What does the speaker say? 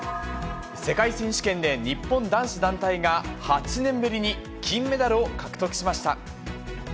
世界選手権で日本男子団体が８年ぶりに金メダルを獲得しました。